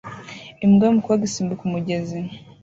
imbwa yumukobwa isimbuka umugezi